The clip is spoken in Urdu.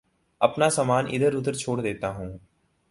اپنا سامان ادھر ادھر چھوڑ دیتا ہوں